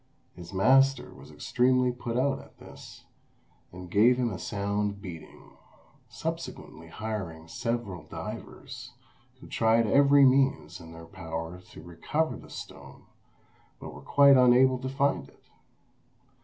His master was extremely put out at this, and gave him a sound beating; subsequently hiring several divers, who tried every means in their power to recover the stone, but were quite unable to find it.